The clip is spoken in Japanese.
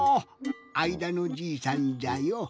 あいだのじいさんじゃよ。